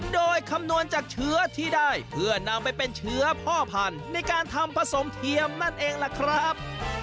โดยคำนวณจากเชื้อที่ได้เพื่อนำไปเป็นเชื้อพ่อพันธุ์ในการทำผสมเทียมนั่นเองล่ะครับ